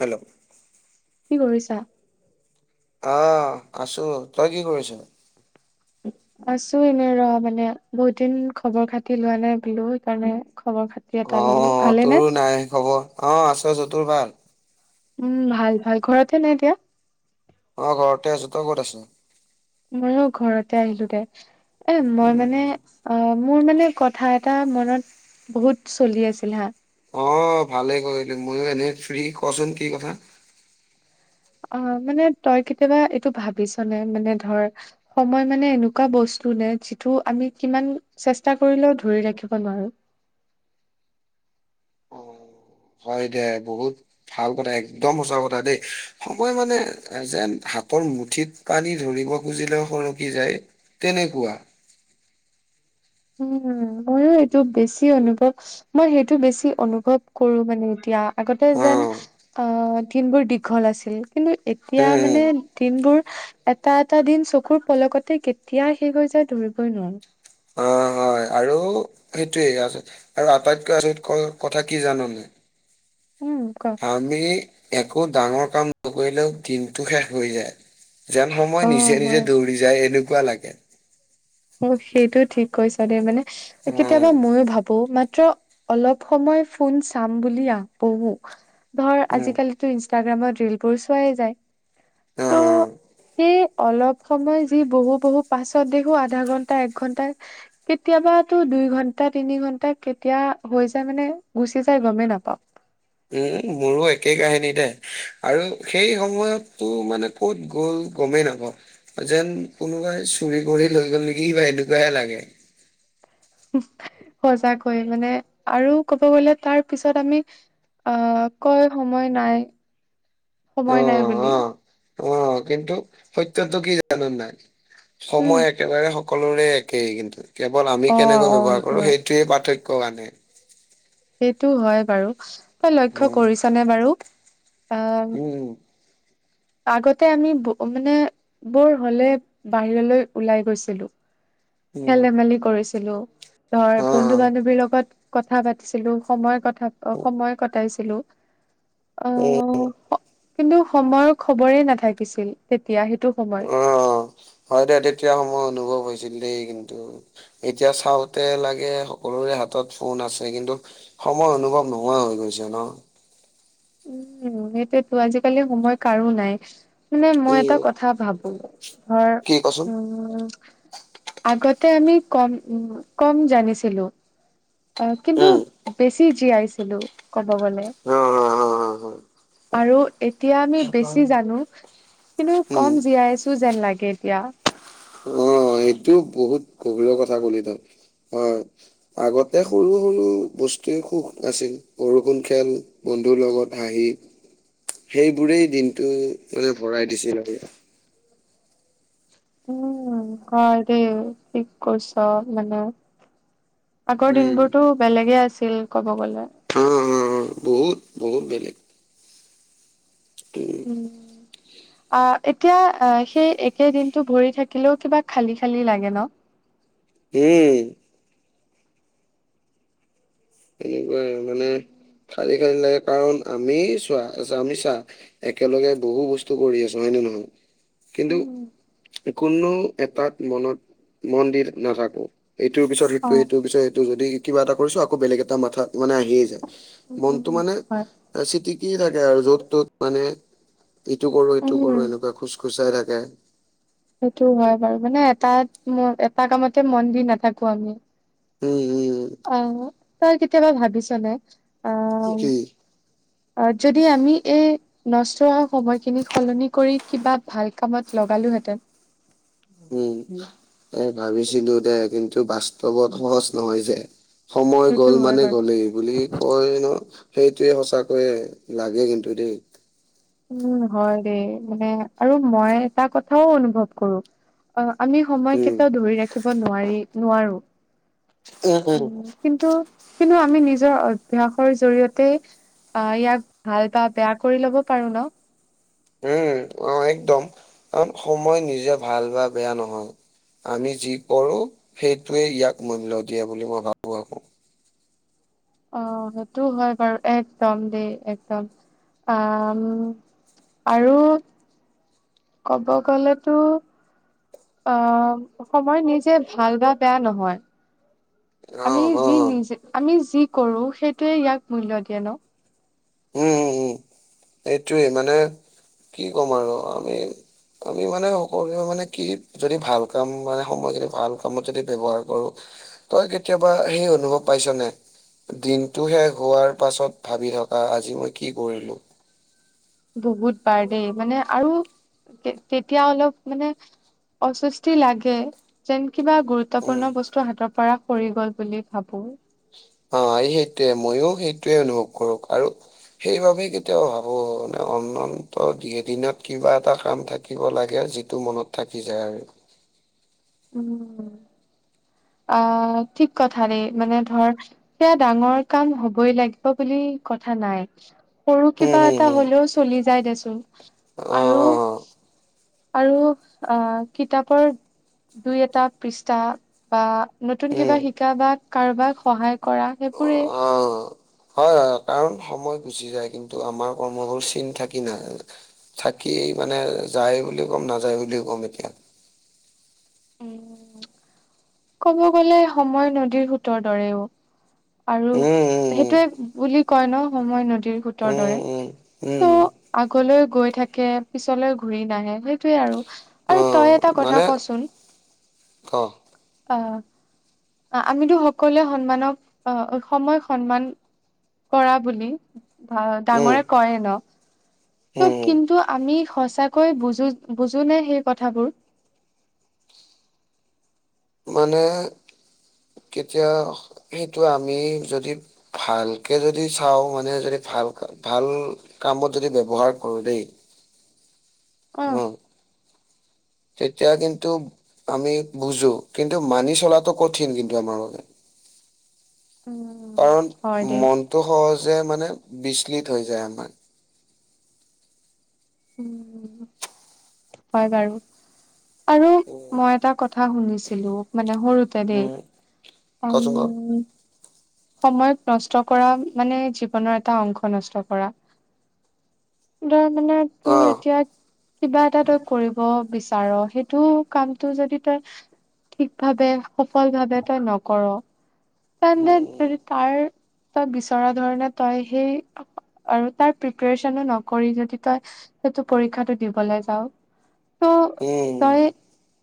Hello কি কৰিছা? আহ আছো তই কি কৰিছ? আছো এনে ৰ মানে বহুত দিন খবৰ খাতি লোৱা নাই বোলো সেইকাৰণে খবৰ খাতি অ এটা ললো ভালেনে? তোৰো নাই খবৰ অ', আছো আছো তোৰ ভাল। উম ভাল ভাল ঘৰতে নে এতিয়া অ', ঘৰতে আছো তই ক'ত আছ ময়ো ঘৰতে আহিলো দে এহ মই মানে অ', মোৰ মানে কথা এটা মনত বহুত চলি আছিল হা অ', ভালে কৰিলি, ময়ো এনে ফ্ৰী কচোন কি কথা? অ', মানে তই কেতিয়াবা এইটো ভাবিছ নে মানে ধৰ সময় মানে এনেকুৱা বস্তু নে যিটো আমি কিমান চেষ্টা কৰিলেও ধৰি ৰাখিব নোৱাৰো [inaudible] অ হয় দে বহুত ভাল কথা এক্দম সঁচা কথা দেই সময় মানে যেন শাকৰ মুঠিত পানী ধৰিব খুজিলেও সৰকি যায় তেনেকুৱা উম ময়ো এইটো বেছি অনুভৱ মই সেইটো বেছি অনুভৱ কৰো মানে এতিয়া আগতে অ যেন উম অ', দিনবোৰ দীঘল আছিল কিন্তু এতিয়া উম মানে দিনবোৰ এটা এটা দিন চকুৰ পলকতে কেতিয়া শেষ হৈ যায় ধৰিবই নোৱাৰি অ', - অ', হয় আৰু সেইটোৱে আছে আৰু আটাইতকৈ আচৰিত কথা কি জাননে? উম, ক আমি একো ডাঙৰ কাম নকৰিলেও দিনটো শেষ হৈ যায় যেন সময় অ' নিজে নিজে হয় দৌৰি যায় এনেকুৱা লাগে অ', সেইটো ঠিক কৈছ দেই মানে উম, কেতিয়াবা ময়ো ভাবো মাত মাত্ৰ অলপ সময় ফোন চাম বুলি আহো বহো, ধৰ উম, আজিকালিটো ইনষ্টা ইষ্টাগ্ৰামত ৰিলবোৰ চোৱাই যায় অ', ত' অ'। সেই অলপ সময় যি বহু-বহু পাছত দেখো আ আধা ঘন্টা এক ঘণ্টা কেতিয়াবাতটো দুই ঘণ্টা তিনি ঘন্টা কেতিয়া হৈ যায় মানে গুচি যাই গমেই নাপাওঁ উম মোৰো একে কাহিনী দে আৰু সেই সময়তো মানে ক'ত গ'ল গমেই নাপাওঁ যেন কোনোবাই চুৰি কৰি লৈ গ'ল নেকি কিবা এনেকুৱাহে লাগে। [inaudible] সজাগ হৈ মানে আৰু ক'ব গ'লে তাৰ পিছত আমি আহ কয় সময় নাই সময় নাই অ', বুলি। অ'। অ' কিন্তু সত্যটো কি জানো নাই উম সময় একেবাৰে সকলোৰে একেই কিন্তু কেৱল আমি অ কেনেকৈ অ ব্যৱহাৰ সেইটো কৰো হয় সেইটোয়ে পাৰ্থক্য কাৰনে। সেইটো হয় বাৰু তই লক্ষ্য উম, কৰিছ নে বাৰু আহ উম, আগতে আমি মানে বৰ হলে বাহিৰলৈ ওলাই গৈছিলো। উম। খেল ধেমালি কৰিছিলো ধৰ হা বন্ধু বান্ধৱীৰ লগত। কথা পাতিছিলো সময় কথা সময় কটাইছিলো। উম। আহ কিন্তু সময়ৰ খবৰে নাথাকিছিল তেতিয়া স অ' হয় দে তেতিয়া সময় অনুভৱ কৈছিল দেই কিন্তু এতিয়া চাওঁতে লাগে সকলোৰে হাতত ফোন আছে কিন্তু সময় অনুভৱ নোহোৱা হৈ গৈছে ন। উম সেইটোয়েতো আজিকালি সময় কাৰো নাই। মানে মই এই এটা কথা ভাবো ধৰ কি কচোন উম। আগতে আমি কম উ কম জানিছিলো। আহ কিন্তু উম বেছি জীয়াইছিলো কব গলে। অ হয় হয় হয় হয় আৰু এতিয়া আমি বেছি জানো কিন্তু কম উম জীয়াই আছো যেন লাগে। এতিয়া। অ' এইটো বহুত গভীৰৰ কথা কলি তই হয় আগতে সৰু সৰু বস্তুৱ সুখ আছিল বৰু কুন খেল। বন্ধুৰ লগত আহি। সেইবোৰেই দিনটো মানে ভৰাই দিছিল আৰু। অ' এ ঠিক কছা মানে। আগৰ উম দিনবোৰতো বেলেগে আছিল ক'ব গলে। অ অ বহুত বহুত বেলেগ। উম। অ' এতিয়া সেই একেদিনটো ভৰি থাকিলেও কিবা খালি খালি লাগে ন। [inaudible] উম। এনেকুৱাই মানে খালি খালি লাগে কাৰণ আমি চোৱা আমি চা একেলগে বহু বস্তু কৰি আছো হয় নহয়। [inaudible] কিন্তু উম কোনো এটাত মনত মন্দিৰ নাথাকো। এইটোৰ পিছত অ সেইটো এইটোৰ পিছত এইটো যদি কিবা এটা কৰিছো আকৌ বেলেগ এটা মাথা মানে আহিয়েই যায়। উম মনটো উম, মানে হয় চিটিকি থাকে আৰু য'ত ত'ত মানে। ইটো কৰো ইটো কৰো উম এনেকুৱা খোজ খোজাই থাকে। সেইটো হয় বাৰু মানে এটাাত এটা কামতে মন দি নাথাকো আমি। উম উম অ' তই কেতিয়াবা ভাবিছ নে? আহ কি যদি আমি এই নষ্ট হোৱা সময়খিনি সলনি কৰি কিবা ভাল কামত লগালোহেঁতেন। উম এ ভাবিছিলো দে কিন্তু বাস্তৱত সহজ নহয় যে। সময় সেইটো গ'ল হয় মানে বাৰু গ'লেই বুলি কয় ন। সেইটোৱে সঁচাকৈয়ে লাগে কিন্তু দেই। উম হয় দেই মানে আৰু মই এটা কথাও অনুভৱ কৰো অ'। আমি সময় উম, কেইটায়াও ধৰি ৰাখিব নোৱাৰি নোৱাৰো। উম কিন্তু। কিন্তু আমি নিজৰ অভ্যাসৰ জৰিয়তে আহ ইয়াক ভাল বা বেয়া কৰি ল'ব। পাৰু ন। উম অ' একদম কাৰণ সময় নিজে ভাল বা বেয়া নহয়। আমি যি কৰো সেইটোৱে ইয়াক মূল্য দিয়ে বুলি মই ভাবো [unintelligible] অ' সেইটো হয় বাৰু একদম দেই একদম আহ। আৰু ক'ব গলেতো। অ' সময় নিজে ভাল বা বেয়া নহয়। আমি অ', যি অ', নিজে আমি যি কৰো সেইটোৱে ইয়াক মূল্য দিয়ে ন। উম উম উম এইটোৱেই মানে কি ক'ম আৰু আমি। আমি মানে সকলোৱে মানে কি যদি ভাল কাম মানে সময়খিনি ভাল কামত যদি ব্যৱহাৰ কৰো। তই কেতিয়াবা সেই অনুভৱ পাইছ নে? দিনটো শেষ হোৱাৰ পাছত ভাবি থকা আজি মই কি কৰিলো। বহুত বাৰ দেই মানে আৰু তেতিয়া অলপ মানে অস্বস্তি লাগে যেন কিবা উম, গুৰুত্বপূৰ্ণ বস্তু হাতৰ পৰা সৰি গ'ল বুলি ভাবো। অ' এই সেইটয়ে ময়ো সেইটোৱে অনুভৱ কৰো আৰু সেইবাবে কেতিয়াও ভাবো মানে অনন্ত এদিনত কিবা এটা কাম থাকিব লাগে। যিটো মনত থাকি যায় আৰু। [inaudible] উম। আহ ঠিক কথা দেই মানে ধৰ সেয়া ডাঙৰ কাম হবই লাগিব বুলি কথা নাই। সৰু উম, কিবা হুম, এটা হুম, হলেও চলি যায় দেচো অ', আৰু অ', আৰু আহ কিতাপৰ দুই এটা পৃষ্ঠা বা নতুন কিবা উম। শিকা বা কাৰোবাক সহায় কৰা সেইবোৰে। অ', হয় হয় কাৰণ সময় গুচি যায় কিন্তু আমাৰ কৰ্ম হল চিন থাকি নাই থা কি মানে যায় বুলি ক'ম নাযায় বুলিও ক'ম এতিয়া। [inaudible] উ কব গলে সময় নদীৰ সোতৰ দৰেও। আৰু উম, উম, সেইটোৱে বুলি কয় ন সময় নদ সোতৰ দৰে উম, উম, উম, ত' উম, আগলৈ গৈ থাকে পিছলৈ ঘূৰি নাহে সেইটোয়ে আৰু তই অ', এটা কথা মানে কচোন অ', অ'। আমিতো সকলোৱে সন্মানক অ' সময় সন্মান কৰা বুলি ভ উম, ডাঙৰে কয় ন। [inaudible] ত উম, কিন্তু আমি সঁচাকৈ বুজো বুজোনে সেই কথাবোৰ। [inaudible] মানে কেতিয়া সেইটো আমি যদি ভালকে যদি চাও মানে যদি ভাল ভাল কামত যদি ব্যৱহাৰ কৰো দেই [inaudible] অ'। তেতিয়া কিন্তু আমি বুজো কিন্তু মানি চলাটো কঠিন কিন্তু আমাৰ বাবে। উম কাৰণ হয় দেই মনটো সহজ যে মানে বিচলিত হৈ যায় আমাৰ। হয় বাৰু। আৰু উম, মই এটা কথা শুনিছিলো। মানে সৰুোতে দেই উম, কচোন ক উম। সময়ক নষ্ট কৰা মানে জীৱনৰ এটা অংশ নষ্ট কৰা। তই মানে তোৰ অহ। এতিয়া কিবা এটা তই কৰিব বিচাৰ সেইটো কামটো যদি তই ঠিক ভাবে সফল ভাবে তই নকৰ। তেন্তে যদি উম। তাৰ তই বিচৰা ধৰণে তই সেই আৰু তাৰ প্ৰিপচনো নকৰি যদি তই সেইটো পৰীক্ষাটো দিবলৈ যাও তো উম, দইে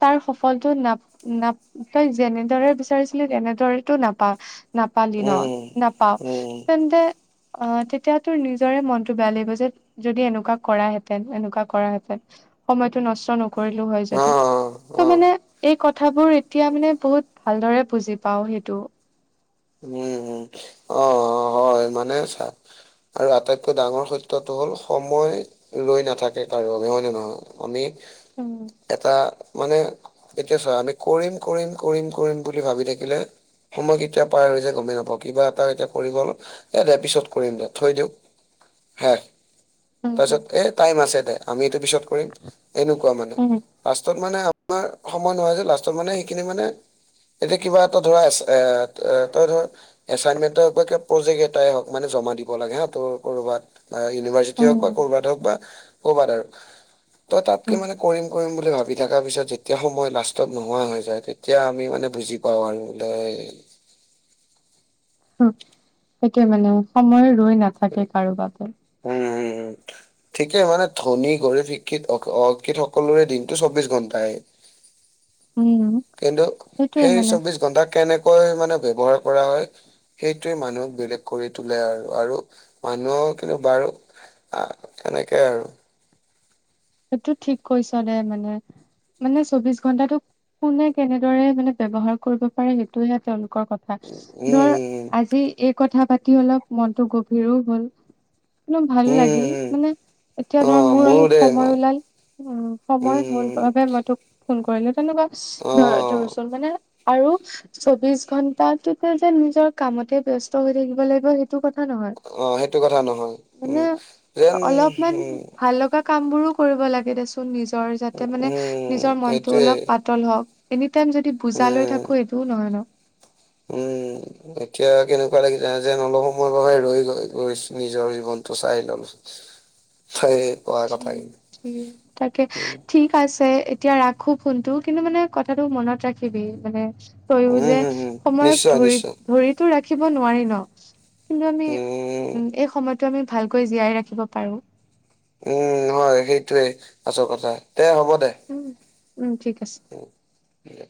তাৰ সফলতো নাপ নাপ তই যেনেদৰে বিচাৰিছিলি তেনেদৰেতটো নাপা নাপালিল ন উম, নাপাাৱ উম, তেন্তে আহ তেতিয়া তোৰ নিজৰে মনতটো বেয়া লাগিব যে যদি এনেকুৱা কৰাহেঁতেন এনেকুৱা কৰাহেঁতেন সময়তটো নষ্ট নকৰিলেও হয় যদি অ', ত অ', মানে এই কথাবোৰ এতিয়া মানে বহুত ভালদৰে বুজি পাও সেইটো উম উম অ হয় মানে চা আৰু আটাইতকৈ ডাঙৰ ফেক্টৰটো হ'ল সময় লৈ নাথাকে কাৰো বাবোবে হয় ন নহয় আমি উম এটা মানে এতিয়া চ আমি কৰিম কৰিম কৰিম কৰিম বুলি ভাবি থাকিলে সময় এতিয়া পাই ৰৈ যে গমেই নাপ কিবা এটা এতিয়া কৰিব এ দে পিছত কৰিম দে থৈ দিক হা উম তাৰপিছত এ টাইম আছে দে আমি এইটো পিছত কৰিম এনেকুৱা মানে উম লাষ্টতত মানে সময় নহয় যে লাষ্টত মানে সেইখিনি মানে এতিয়া কিবা এটা ধৰা আছে এ এ তই ধৰ এচাইনমেন্ট হ প্ৰজেক্ এটাই হওক মানে জমা দিব লাগে হা তোৰ কৰবাত ইউনিভাৰ্চিটি হওক বা উম কৰবাত হওক বা কৰবাত আৰু তই তাতকে উম কৰিম কৰিম বুলি আৰু ভাবি থকা পিছত যেতিয়া সময় লাষ্টত নোহোৱা হৈ যায় তেতিয়া আমি মানে বুজি পাওঁ আৰু বোলে সেইটো মানে সময় ৰৈ নাথাকে কাৰোব উম উম উম ঠিকেই মানে ধনী গ শিক্ষিত অকিত সকলোৰে দিনটো চৌবিশ ঘন্টাই উম কিন্তু সেইটোৱে সেই মানে চৌবিশ ঘন্টা কেনেকৈ মানে ব্যৱহাৰ কৰা হয় সেইটোৱে মানুহক বেলেগ কৰি তোলে আৰু আৰু মানুহৰ কিন্তু বাৰু আহ সেনেকে আৰু সেইটো ঠিক কৈছ ন মানে মানে চৌবিশ ঘন্টাটো কোনে কেনেদৰে মানে ব্যৱহাৰ কৰিব পাৰে সেইটোহে তেওঁলোকে কথা ধৰ উম আজি এই কথা পাতি এতি অলপ মনটো গভীৰো হ'ল কো ভালো উম উম লাগিল উম উম মানে এতিয়া অ ধৰা মোৰ মোৰো অলপ দেই উম সময় ওলাল সময় হল উম বাবে মই তোক ফোন কৰিলো তেনেকুৱা অ ধৰ ধৰচোন মানে আৰু চৌবিশ ঘন্টাটোতে যে নিজৰ কামতে বিয়স্ত হৈ থাকিব লাগিব সেইটো কথা নহয় অ সেইটো কথা নহয় উম মানে যেন অলপমান উম ভাল লগা কাম বোৰো কৰিব লাগে দেচোন নিজৰ যাতে মানে উম নিজৰ মনতটো সেইটোৱে অলপ পাতল হওঁক এনে ম যদি বুজা লৈ উম থাকো এইটোও নহয় ন উম এতিয়া কেনেকুৱা লাগিছে যেন অলপ সময়ৰ বাবে ৰৈ গৈ ৰৈ নিজৰ জীৱন চাই ললো ত তাকে উম ঠিক আছে এতিয়া ৰাখো ফোনটো কিন্তু মানে কথাটো মনত ৰাখিবি মানে তয়ো উম যে হম হম সময়ক নিশ্চয় ধৰি নিশ্চয় ধৰিতো ৰাখিব নোৱাৰি ন কিন্তু আমি উম এই সময়তটো আমি ভালকৈ জীয়াই ৰাখিব পাৰো উম হয় সেইটোোৱে আছো কথা দে হ'ব দে উম ঠিক আছে উম, দে।